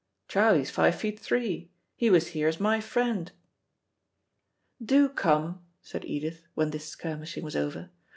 Charlie's five feet three. He was here as my friend." "Do come," said Edith, when this skirmishing was over.